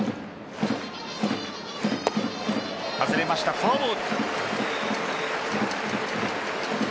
外れました、フォアボール。